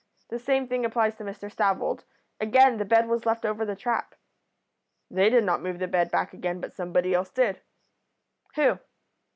The same thing applies to Mr Stavold; again the bed was left over the trap.' "'They did not move the bed back again, but somebody else did.' "'Who?'